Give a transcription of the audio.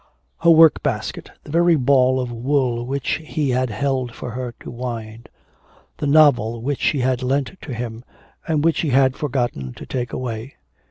Her work basket; the very ball of wool which he had held for her to wind; the novel which she had lent to him, and which he had forgotten to take away.